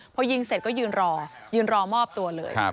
พอยิงเสร็จก็ยืนรอยืนรอมอบตัวเลย